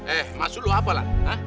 eh maksud lo apalah